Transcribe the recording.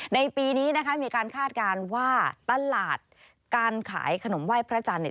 ในปีนี้นะคะมีการคาดการณ์ว่าตลาดการขายขนมไหว้พระจันทร์เนี่ย